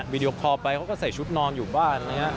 วิดีโอคอลก็ก็ใส่ชุดนอนอยู่บ้าน